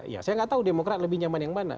ya saya nggak tahu demokrat lebih nyaman yang mana